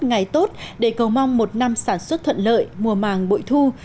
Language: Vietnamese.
ngày tốt để cầu mong một năm sản xuất thuận lợi mùa màng bội thu